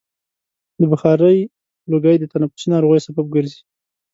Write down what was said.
د بخارۍ لوګی د تنفسي ناروغیو سبب ګرځي.